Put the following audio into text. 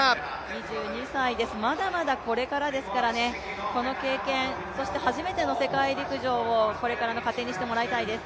２２歳です、まだまだこれからですから、この経験、そして初めての世界陸上をこれからの糧にしてもらいたいです。